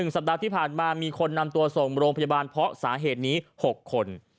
สัปดาห์ที่ผ่านมามีคนนำตัวส่งโรงพยาบาลเพราะสาเหตุนี้๖คน